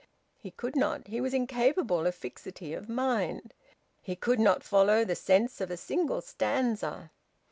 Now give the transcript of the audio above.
He could not. He was incapable of fixity of mind. He could not follow the sense of a single stanza.